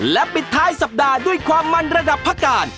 และปิดท้ายสัปดาห์ด้วยความมั่นระดับพระการ